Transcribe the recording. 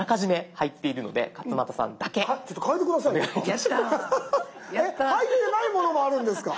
入ってないものもあるんです。